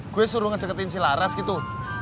gue suruh ngedeketin si laras gitu